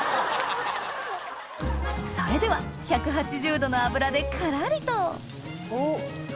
それでは１８０℃の油でカラリとおっ。